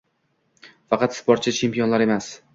Faqat sportchi chempionlar emas